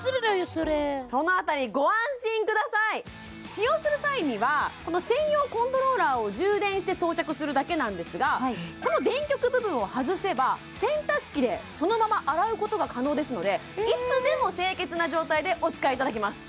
それその辺りご安心ください使用する際にはこの専用コントローラーを充電して装着するだけなんですがこの電極部分を外せば洗濯機でそのまま洗うことが可能ですのでいつでも清潔な状態でお使いいただけます